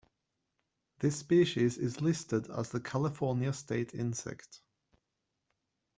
This species is listed as the California state insect.